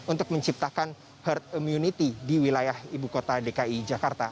untuk menciptakan herd immunity di wilayah ibu kota dki jakarta